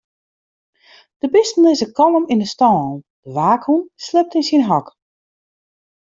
De bisten lizze kalm yn 'e stâlen, de waakhûn sliept yn syn hok.